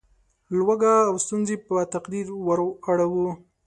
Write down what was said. لوږه او ستونزې په تقدیر وراړوو.